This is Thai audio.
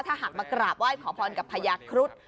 ถ้าหากมากราบไหว้ขอพรกับพญาครุฑ